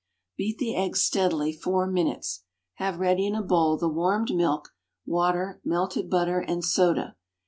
Beat the eggs steadily four minutes. Have ready in a bowl the warmed milk, water, melted butter and soda.